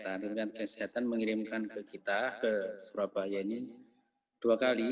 kementerian kesehatan mengirimkan ke kita ke surabaya ini dua kali